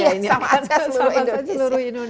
iya sama saja seluruh indonesia